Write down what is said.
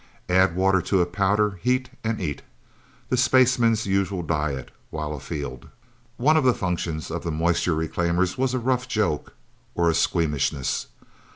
Add water to a powder heat and eat. The spaceman's usual diet, while afield... One of the functions of the moisture reclaimers was a rough joke, or a squeamishness.